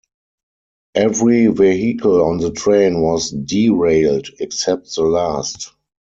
Every vehicle on the train was derailed except the last.